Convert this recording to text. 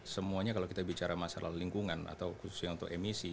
semuanya kalau kita bicara masalah lingkungan atau khususnya untuk emisi